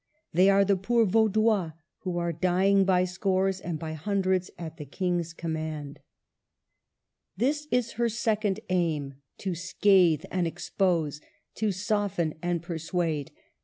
They are the poor Vaudois, who are dying by scores and by hundreds at the King's command ! THE ''HEPTAMERONr 219 This is her second aim, — to scathe and expose, to soften and persuade.